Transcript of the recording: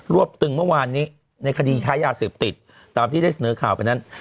วบตึงเมื่อวานนี้ในคดีค้ายาเสพติดตามที่ได้เสนอข่าวไปนั้น